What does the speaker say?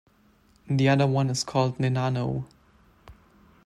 The other one is called nenano.